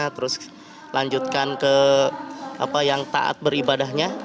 terus lanjutkan ke apa yang taat beribadahnya